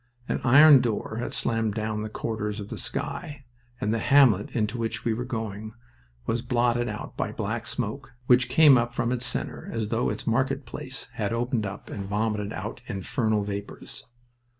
An iron door had slammed down the corridors of the sky and the hamlet into which we were just going was blotted out by black smoke, which came up from its center as though its market place had opened up and vomited out infernal vapors.